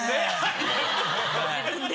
自分で。